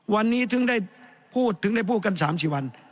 วันนี้ถึงได้พูดถึงได้พูดกัน๓๔วัน